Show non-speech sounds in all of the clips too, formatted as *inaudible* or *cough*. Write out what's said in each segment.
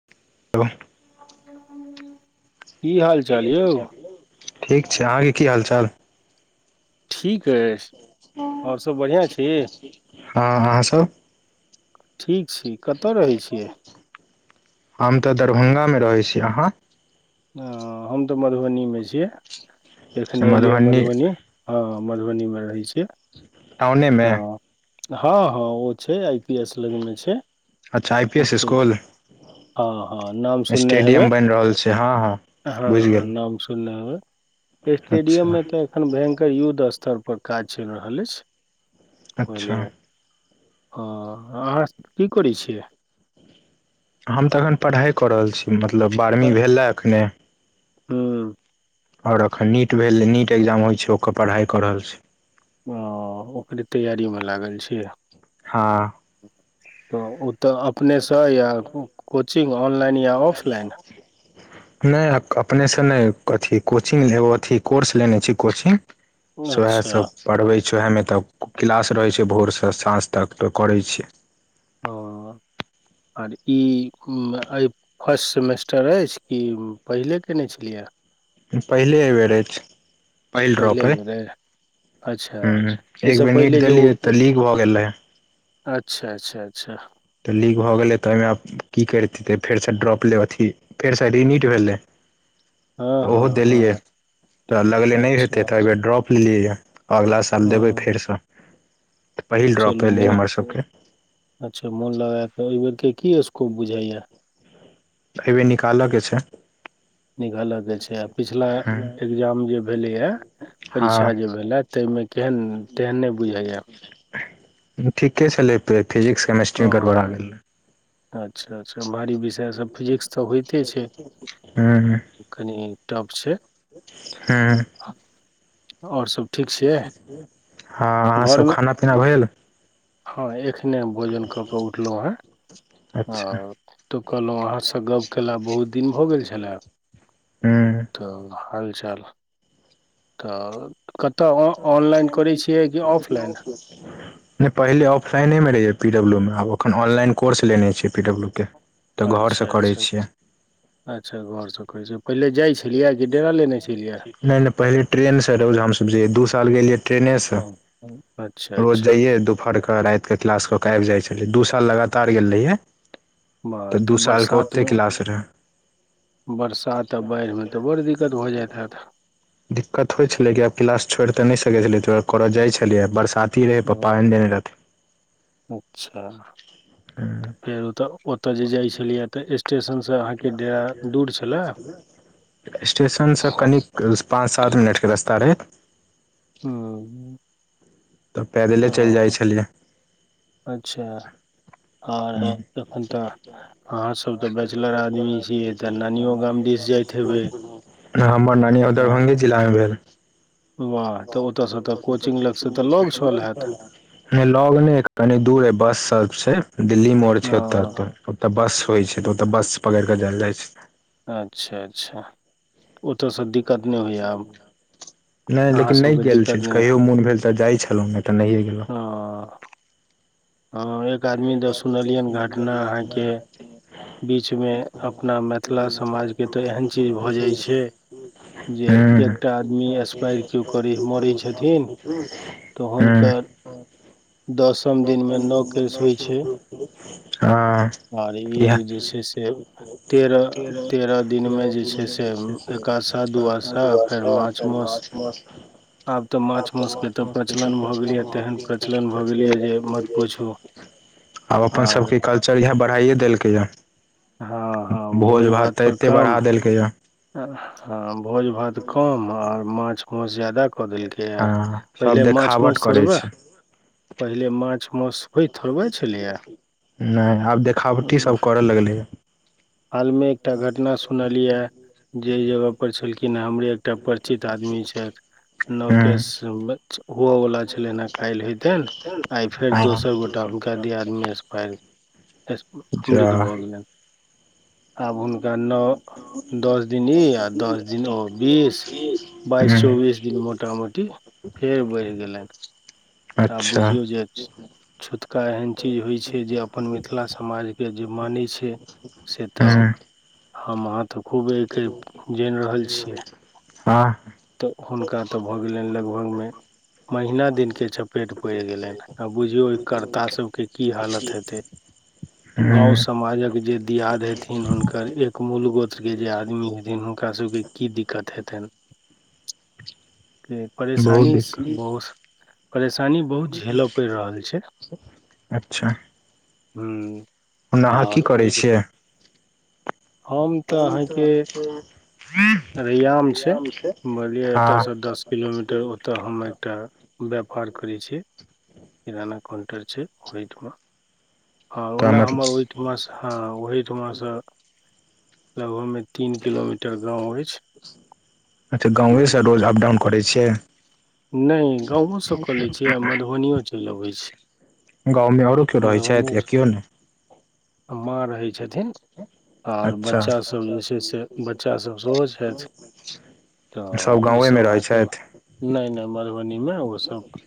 *inaudible* की हाल चाल यौ ठीक छै अहाँके की हाल चाल। ठीक अछि। आओर सब बढ़िआँ छी हँ अहाँ सब? ठीक छी, कतऽ रहै छियै अहां। हम तऽ दरभंगा मे रहै छी अहाँ। हं हम तऽ मधुबनीमे छियै एखने एलियैये मधुबनी। हँ मधुबनीमे रहै छियै। टाउनेमे। हँ हँ हँ ओ छै आई पी एस लगमे छै अच्छा आई पी एस ओतहि। स्कुल हँ हँ नाम सुनने हेबै। से हँ हँ। हँ बुझि हँ गेल नाम सुनने हेबै, अच्छा स्टेडियममे तऽ एखन भयंकर युद्ध स्तर पर काज चलि रहल अछि। अच्छा। बुझलियै हँ अहाँ की करै छियै। हम तऽ एखन पढ़ाइ कऽ रहल छी, मतलब बारहवीं भेले एखने। हुं। और अखन नीट भेल नीट एग्जाम होइ छै ओकर पढ़ाई क रहल छी। ओ ओकरे तैयारीमे लागल छी। हँ। तऽ ओ तऽ अपनेसँ या, ऑनलाइन या ऑफलाइन। नहि अपनेसँ नहि अथि कोचिंग अथि कोर्स लेने छी कोचिङ्ग। सएह अच्छा सब। पढ़बै छ ओएहमे तऽ क्लास रहै छै भोरसँ साँझ तक त करै छियै। हं आर ई फर्स्ट सेमेस्टर अछि कि पहिले कयने छलियै पहिले एबेर अछि। पहिल ड्रॉप पहिले अइ बेर अछि। अच्छा ह एक एहिसँ बेर नीट पहिले जे ओ देलियै तऽ लीक अच्छा भऽ गेल रहै अच्छा अच्छा अच्छा। तऽ लीक भऽ गेलै तऽ ओहिमे आब की करितै फेरसँ ड्रॉप ले अथि फेरसँ रीनीट भेलै? हँ तऽ ओहो हँ देलियै हँ तऽ लगले नहि हेतै अच्छा तऽ एहि बेर ड्रॉप लेलियैए। अगिला साल देबै हँ फेरसँ तऽ पहिल ड्रॉप चलू एलै म हमर सबके। अच्छा मोन लगा के, एहिबेर के की स्कोप बुझैये। एहिबेर निकालयके छै। निकालयके छै आ पिछला एग्जाम जे भेलैए हँ परीक्षा जे भेलै तहिमे केहन तेहन नहि बुझैय। ठीके छलै फिजिक्स केमेिस्ट्री मे ओ गड़बरा गेलै। अच्छा -अच्छा *unintelligible* इ सब फिजिक्स तऽ होइते छै ह ह कनि टफ छै। हँ ओर सब? ठीक छियै हँ अहाँ सब घरमे खाना पीना भ गेल? हँ एखने भोजन कऽ के उठलहुं अच्छा हेँ तो कहलहु अहाँ सँ गप केला बहुत दिन भऽ गेल छलै। ह तऽ हालचाल तऽ कतय ऑनलाइन करै छियै कि ऑफलाइन? नहि पहिले ऑफलाइनेमे रहैय पी डब्लूमे आब एखन ऑनलाइन कोर्स लेने छियै पी डब्लू के। तऽ घरसँ अच्छा करै अच्छा छियै अच्छा घरसँ करे छियै पहिले जाइ छलियै कि डेरा लेने छलियै नहि नहि पहिले ट्रेनसँ रौज हमसभ जयै दू साल गेलियै हँ ट्रेनेसँ। अच्छा। रोज अच्छा जाइये फड़ कऽ रातिके क्लास कऽ के आबि जाइ छलै दू साल लगातार गेल रहियए। तऽ बड़ दू सालके ओतेक बरसातमे क्लास रहै। बरसात अबै *inaudible* दिक्कत होइ छलै कि आब क्लास छोड़ तऽ नहि सकै छलै करऽ जाइ छलियै बरसात तीरै पप्पा आन हँ देने रह अच्छा। हँ फेर ओतऽ ओतऽ जे जाइ छलियै तऽ स्टेशनसँ अहाँके डेरा दूर छलै? स्टेशनसँ कनिक पाँच सात मिनटके रस्ता रहैथ। हँ तऽ पैदले चलि जाइ छलियै। अच्छा आओर एखन तऽ अहाँ सब तऽ बैचलर आदमी छियै तऽ नानियो गाम दिस जाइत हेबै? हमर नानीयो हँ दरभ्ंगे जिलामे भेले। वाह तऽ ओत हो त *unintelligible* लोगने कनी दूर ह बस सब छै दिल्ली मोड़ छै ओ ओत त ओतय बस होइ छै तऽ ओतऽ बस पकड़ कऽ जायल जाइ छै। अच्छा अच्छा ओतयसँ दिक्कत नहि होइए आब। नहि अहाँ लेकिन नहि सबके गेल छी दिक्कत नहि कहियो मोन भेल तऽ जाइत छलहुँ नहि तऽ नहिये गेलहुँ। ओ हँ एक एक आदमी दे सुनलिये घटना अहाँके बीच मे अपना मिथिला समाज ए त एहन चीज भऽ जाय छै जे हूँ एकटा आदमी हूँ *unintelligible* नओ केस होइ छै हँ आर ई इ जे छै से *unintelligible* तेरह तेरह छै दिनमे जे छै से एकादशा *unintelligible* दुआदशा फेर माछ अप्रैल माउस मार्च *unintelligible* आब तऽ माछ मासुके तऽ प्रचलन भऽ गेलैए तेहन प्रचलन भऽ गेलैए जे मत पूछू। आब अपन आर सभके कल्चर इएहाँ बढ़ाइए देलकैए। हँ हँ भोज भात तऽ पर एते कम बढ़ा देलकै या हँ भोज भात कम आर माछ, मॉउस ज्यादा कऽ देलकिन हँ सब पहिले माछ, देखावट मॉउस करै थोड़बे छै पहिले माछ, मॉउस नैय आब देखावटी सब करऽ लगलै ह हालमे एकटा घटना सुनलियए जे जगह पर छलखिन हे हमरे एकटा परिचित आदमी छएथ नोवकेश हुअवला छलइन हे काइल्ह होइ तइन आइ फेर दोसर गोटा हुनका दियाद मेँ एक्सपायर खंडित भऽ जा गेलइन आब हुनका नओ दस दिन ई, हुँ आ दस दिन ओ बीस बाइस, चौबीस दिन मोटा मोटी फेर बढ़ि गेलइन। तऽ आ अच्छा बुझियौ जे छूतका एहन चीज होइ छै, जे अपन मिथिला समाजके जे मानै छै। से तऽ हुँ हम अहाँ तऽ खूब एक जाइन रहल छियै। हँ तऽ हुनका तऽ भऽ गेलइन लगभगमे महीना दिन के चपेट पइड़ गेलइन। ह आ बुझियौ जे करर्ता सभके की हालत हेतै। गाँव हुँ समाजक जे दियाद है थिन हुनकर एक मूल गोत्र के जे आदमी हेथिन हुनका सबके की दिक्कत हेतन के बहुत परेशानी श दिक्कत बोस परेशानी बहुत झेलय पइड़ रहल छै। अच्छा ह ओना अहाँ की आओर करै ओइ मेँ छियै हम हम तऽ अ *unintelligible* रैयाम छै बोझलियै हँ एतयसँ दस किलोमीटर ओतय हम एकटा व्यापार करै छिय, किराना काउंटर छै, ओहिठमा हँ तऽ ओना मतलब हमर ओहिठिमा सँ हँ ओहीठिमा सँ लगभग में तीन किलोमीटर गाँव अछि अच्छा गाँएसँ रोज अप डाउन करै छियै। नइ गाँवो सँ कऽ लैत छीयै आ मधुबनियों चइल अबैत छी गाँवमे आर केओ रहै मधुबनियो छैत, यऽ केओ नइ माँ रहै छथिन और अच्छा बच्चा - सब अचछा जे छै से बच्चा सब सेहो छथि *unintelligible* सभ गाँव मे रहैत छैथ। नैय -नैय मधुबनीमे ओसभ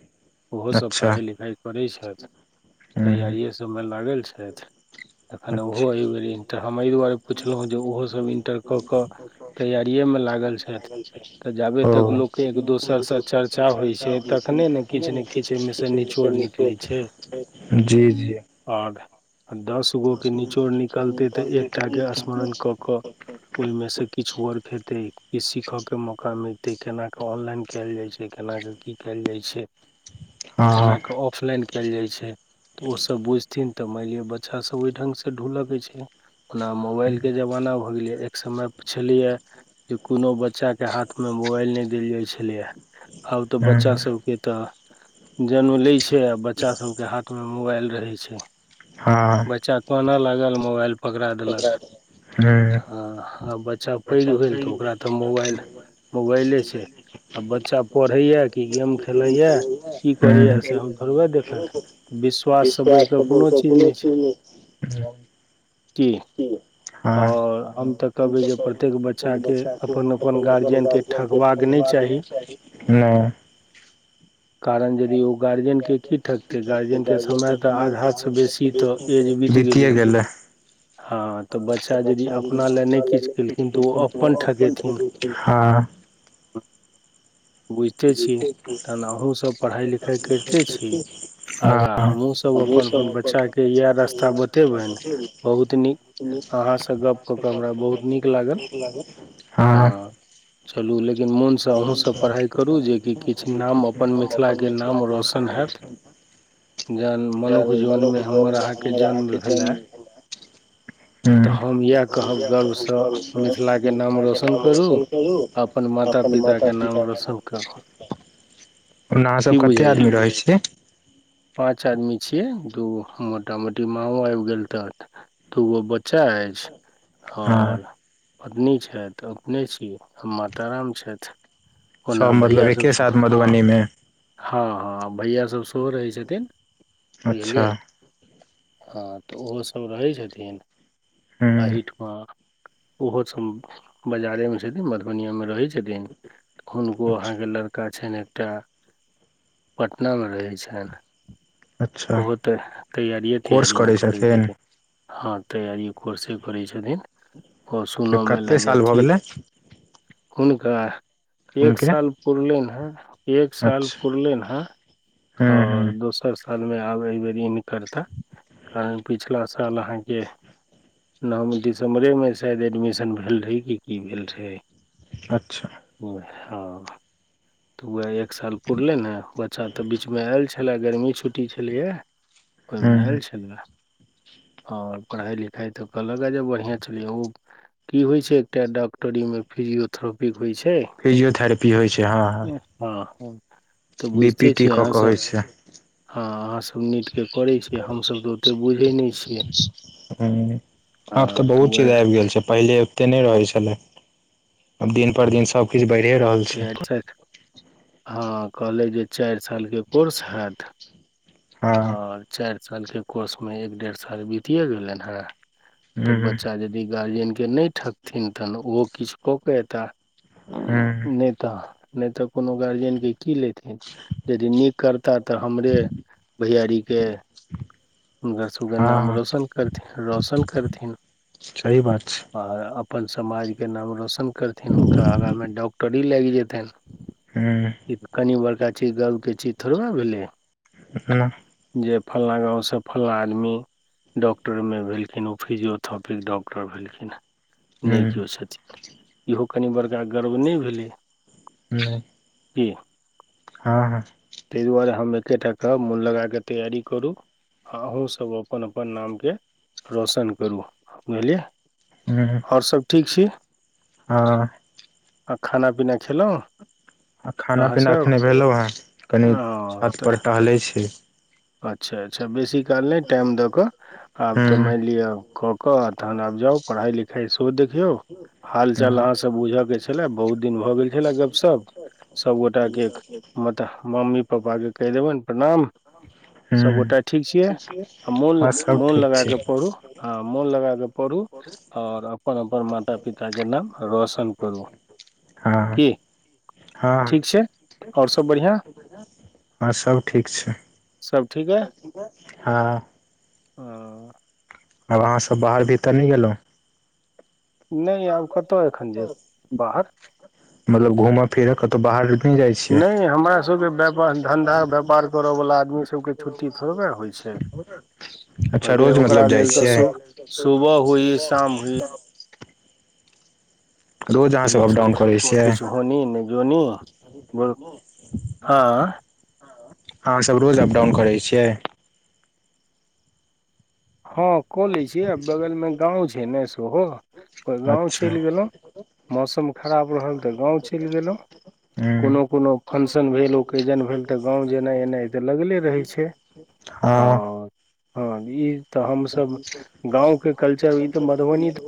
ओहो सभ अच्छा पढ़ाइ लिखाइ करै छइथ हुँ तैयारिए सभमे लागल छइथ तखन अच्छा ओहो एहि बेर इन्टर हम एहि दुआरे पुछलहुँ जे ओहोसभ इन्टर कऽ कऽ तैयारियए मे लागल छइथ तऽ जाबे ओ तक लोक एक दोसर त चर्चा होइ छै, तखने ने किछ ने किछ ओहिमेसँ निचोड़ निकलैत छै। जी जी आग आ दस गो के निचोड़ निकलतै तऽ एकटा के स्मरण कऽ कऽ ओहिमे से किछु वर्क हेतै किछ सीखऽके मौका मिलतै केन कऽ ऑनलाइन केल जाइ छै केना क की केल जाइ छै केना हँ क ऑफलाइन कयल जाइ छै तऽ ओ सब बुझथिन तऽ माइन लिअऽ बच्चा सब ओहि ढङंगगसँ ढुलक छै। ओना मोबाइल के जमाना भऽ गेलै एक समय पु छलियए जे कोनो बच्चा बच्चा के हाथ मे मोबाइल नहि देल जाय छलैएा आब तऽ हँ बच्चा हँ सबके तऽ जन्म लै छैय आ बच्चा सभके हाथमे मोबाइल रहै छैय। हँ। बच्चा कान लागल मोबाइल पकड़ा देलक हँ अच्छा पैघ भेल तऽ ओकरा तऽ मोबाइल मोबाइले छैय। आ बच्चा पढ़ैए कि गेम खेलैए की करैए से हम थोड़बे देखैत विश्वाससँ बढ़ि कऽ कोनो चीज नहि छैय। ह। आओर हम तऽ कहबै जे प्रत्येक बच्चाके अपन अपन गार्जियनके ठकबाक *unintelligible* नहि। ह कारण यदि ओ गार्जियनके की ठकतै गार्जियनके समय तऽ आधासँ बेसी की तऽ एज बीत गेलय। हँ बच्चायदि लए अपना ल नहि किछु तऽ ओ केलखिन त अपन ठकेथिन अपन हँ बुझिते छी तहन अहूँसभ पढ़ाइ लिखाइ करिते छी हँ आगाँ हँ हमहूँसभ सब अपन-अपन बच्चाके इएह रास्ता बतेबनि बहुत नीक अहाँसँ गप्प कऽ कऽ हमरा बहुत नीक लागल आ हँ चलू लेकिन मोन से अहूँ सब पढ़ाई हम अपन मिथिला के। जन मनुख जोनमे हमर अहाँके जन्म भेलए तऽ हम इएह कहब गर्वसँ मिथिलाके नाम रौशन करू आ अपन माता पिताके नाम रोशन करू ओना अहाँ सब कते आदमी रहै छियै। पांच आदमी छिये दूगो मोटा मोटी माओ आबि गेल तऽ आठ दूगो ब बच्चा अछि हँ आओर पत्नी छथि अपने छी आ माताराम छथि। सब कोना मतलब भैया सब एके साथ हँ हँ- मधुबनी मे हँ भैयासभ सेहो रहै छथिन अच्छा बुझलियै। हँ तऽ ओहो सभ रहै छथिन हँ एहिठाम। हँ ओहो सब बाजारे मे छथिन मधुबनिया मे रहै छथिन। हुनको अहाँके अच्छा लड़का छनि एकटा पटनामे रहै छनि। अच्छा ओहो तऽ तैयारिए तैयारिमे करै छथिन। हँ तैयारी कोर्सेके करै छथिन आओर से सुनमे लए कते जे साल भऽ अथी गेलै हुनका एक हुनके साल पुरलेन है, एक साल अच्छा पुरलेन है हँ और हँ दोसर सालमे आब एहिबेर ई नहि करता कारण पिछला साल अहाँके नाम दिसम्बरेमे शायद एडमिशन भेल रहै कि की भेल रहै। अच्छा। हँ तऽ उएह एक साल पुरले ने बच्चा तऽ बीचमे आयल छै छले गर्मी छुट्टी छलैया ओहिमे हँ आयल छले। आओर पढ़ाई लिखाई तऽ कहलक जे बढ़िया चलैये ओ की होइ छैय एकटा डॉक्टरीमे फिजियोथेरपी होइ छैय। फिजियोथेरपी होइ छैय हँ- हँ। हँ तऽ बी पी बुझिते टी छी कऽ कऽ अहाँसभ। होइ छै हँ अहाँसभ नीटके करैत छियै हमसभ तऽ ओतेक बुझैत नहि छियै। हूँ हँ आब तऽ बहुत चीज वैह आबि गेल छैय पहिले। एते नै रहै छलै आब दिन पर दिन सब। किछ बढ़िये रहल। छै *inaudible* हँ कहलै जे चारि सालके कोर्स हैत। ह हँ चारि सालके कोर्समे एक डेढ़ साल बीतिए गेलन हेँ। तऽ ह बच्चा यदि गार्जियनके नहि ठकथिन तहन ओ किछ कऽक ऐयताह। ह नै तऽ नहि त कोनो गार्जियनके की लेथिन यदि नीक करताह तँ हमरे। भैयारीके। हमरा सभके नाम हँ रोशन करथिन रौशन करथिन। सही बात छै आर अपन समाजके नाम रौशन करथिन हुनका आगाँमे डॉक्टरी लागि जेतेन। हूँ। ई त कनि बड़का चीज गर्वके चीज थोड़बे भेलै। नह। *unintelligible* जे फलना गाँव सब। फलला आदमी डॉक्टर मे भेलखिन ओ फिजियोथपिक डॉक्टर भेलखिन। नै हँ किओ सचि इहो कनि बड़का गर्व नहि भेलैया। नहि। *unintelligible* की। *unintelligible* हँ हँ। तै दुआरे हम एकेटा कहब मोन लगा कऽ तैयारी करू। आ अहुँ सब अपन-अपन नामके रौशन करू बुझलियै। ह और सब ठीक छी हँ आ खाना-पीना खेलहुँ। आ खाना-पीना अहाँसभ एखने भेलहुँ हँ कनि छत पर टहलै छी। अच्छा-अच्छा बेसी काल नै टाइम दऽक। ह आब त मानि लिअ कऽक तहन आब जाउ पढ़ाई- लिखाई सेहो देखियौ। ह हाल-चाल अहाँ सऽ बुझके छैला बहुत दिन भ गेल छैला गप-शप। सबगोटा के मत मम्मी-पापा के कहि देबनि प्रणाम। ह सबगोटा ठीक छियै आ मोन सब मोन ठीक लगा छै क पढु। आ मोन लगा कऽ पढू और अपन -अपन माता- पिताके नाम रौशन करू। हँ की हँ ठीक छै और सब बढ़िआ। आर सब ठीक छै। सब ठीक है। हाँ। हँ, आब अहाँसब बाहर भीतर नै गेलहुँ। नै आब कत एखन जेब बाहर। मतलब घूम। फिर कतहु बाहर नै जाइ छियै हमरा नहि सबके हमर व्यापार सबके धन्धा काम व्यापार धंधा। करऽ वाला आदमी सबके छुट्टी थोड़बे होइ छै *unintelligible* अच्छा कहलियै रोज ओकरा मतलब जाइ लेल तऽ छियै। सु सुबह हुइ है शाम हुइ। रोज *inaudible* अहाँ सब अपडाउन करै छियै किछ होनी नै जोनी बोल हँ। अहाँ सब रोज अप डाउन करै छियै। हँ कऽ लै छियै आ बगलमे गाँव छै ने सेहो गाँव अच्छा चलि गेलहुँ। मौसम खराब रहल तऽ गाँव चलि गेलहुँ। हूँ कोनो-कोनो फंशन भेल, ओकेजन भेल तऽ गाँव जेनाइ-एनाइ तऽ लगले रहै छै। हँ। आओर हँ, ई तऽ हम सब गाँव के कल्चर ई तऽ मधुबनी त